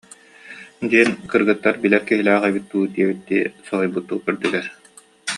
диэн кыргыттар билэр киһилээх эбит дуу диэбиттии соһуйбуттуу көрдүлэр